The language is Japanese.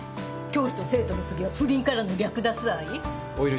教師と生徒の次は不倫からの略奪愛？